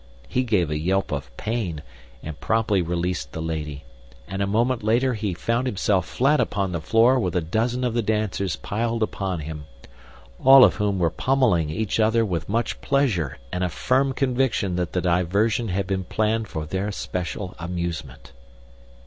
He gave a yelp of pain and promptly released the lady, and a moment later he found himself flat upon the floor with a dozen of the dancers piled upon him all of whom were pummeling each other with much pleasure and a firm conviction that the diversion had been planned for their special amusement.